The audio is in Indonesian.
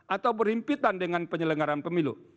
atau berhimpitan dengan penyelenggaran pemilu